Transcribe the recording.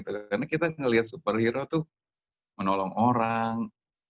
karena kita melihat superhero itu menolong orang